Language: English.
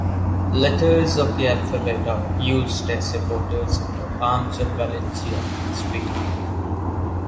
Letters of the alphabet are used as supporters in the arms of Valencia, Spain.